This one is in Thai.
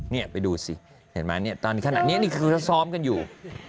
นี่ไปดูสิเห็นไหมเนี่ยตอนขนาดนี้นี่คือเขาซ้อมกันอยู่